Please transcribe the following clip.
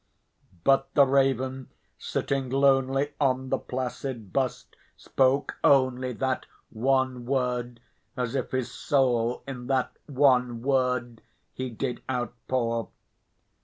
But the raven, sitting lonely on the placid bust, spoke only That one word, as if his soul in that one word he did outpour.